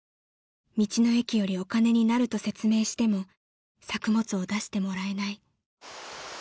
［道の駅よりお金になると説明しても作物を出してもらえない］